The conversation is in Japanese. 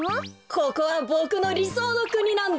ここはボクのりそうのくになんだ。